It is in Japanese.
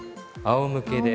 あおむけで。